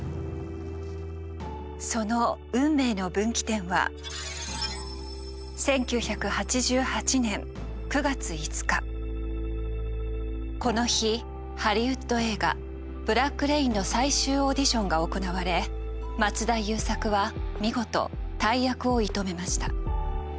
その運命の分岐点はこの日ハリウッド映画「ブラック・レイン」の最終オーディションが行われ松田優作は見事大役を射止めました。